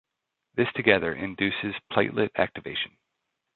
This together induces platelet activation.